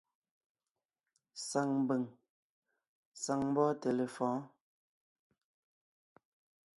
Saŋ mbʉ̀ŋ, saŋ mbɔ́ɔnte lefɔ̌ɔn.